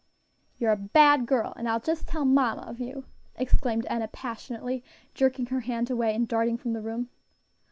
"You're a bad girl, and I'll just tell mamma of you," exclaimed Enna, passionately, jerking her hand away and darting from the room.